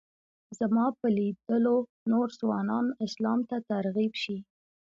زما په لیدلو نور ځوانان اسلام ته ترغیب شي.